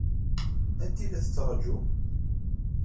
Anta i la tettṛaǧum?